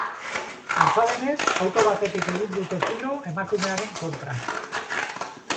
Antza denez, auto batetik egin egin dute tiro emakumearen kontra.